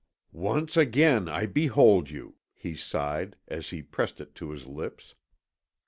"Once again I behold you," he sighed, as he pressed it to his lips.